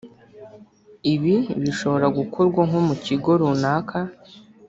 Ibi bishobora gukorwa nko mu kigo runaka